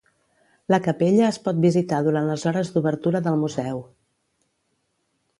La capella es pot visitar durant les hores d'obertura del museu.